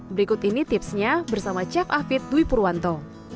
berikut ini tipsnya bersama cak afid dwi purwanto